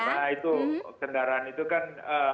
karena itu kendaraan itu kan